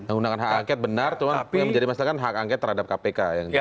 menggunakan hak angket benar cuma yang menjadi masalah kan hak angket terhadap kpk